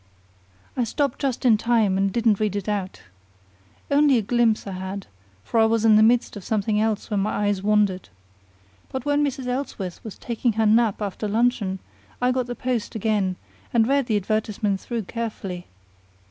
"I stopped just in time and didn't read it out. Only a glimpse I had, for I was in the midst of something else when my eyes wandered. But when Mrs. Ellsworth was taking her nap after luncheon I got the Post again and read the advertisement through carefully.